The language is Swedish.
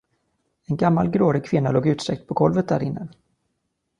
En gammal, gråhårig kvinna låg utsträckt på golvet därinne.